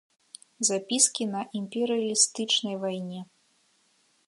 Запіскі на імперыялістычнай вайне.